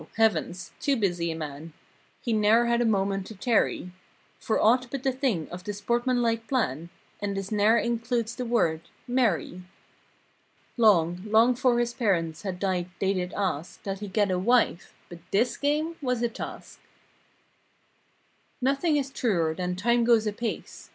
Heavens! Too busy a man He ne'er had a moment to tarry For aught but the thing of the sportsm(an like plan— And this ne'er includes the word, "marry." Long, long 'fore his parents had died they did ask That he get a wife—but this game was a task. Olfr 231 Nothing is truer than "Time goes apace!